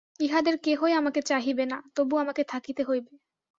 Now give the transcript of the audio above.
ইহাদের কেহই আমাকে চাহিবে না, তবু আমাকে থাকিতে হইবে।